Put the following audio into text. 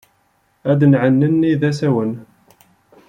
Ad nɛnenni d asawen.